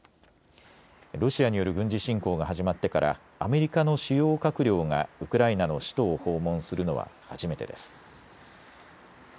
ロシアによる軍事侵攻が始まってからアメリカの主要閣僚がウクライナの首都を訪問するのは初めてです。